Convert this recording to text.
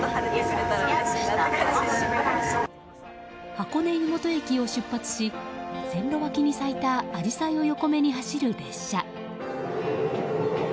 箱根湯本駅を出発し線路脇に咲いたアジサイを横目に走る列車。